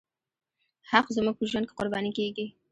حق زموږ په ژوند کې قرباني کېږي.